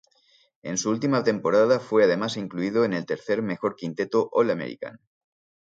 En su última temporada fue además incluido en el tercer mejor quinteto All-American.